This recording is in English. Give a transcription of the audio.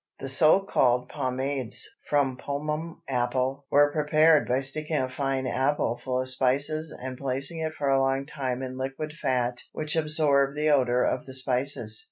The so called pomades (from pomum, apple) were prepared by sticking a fine apple full of spices and placing it for a long time in liquid fat which absorbed the odor of the spices.